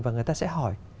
và người ta sẽ hỏi